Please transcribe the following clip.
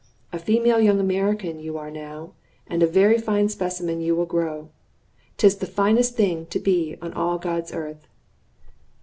A female young American you are now, and a very fine specimen you will grow. 'Tis the finest thing to be on all God's earth."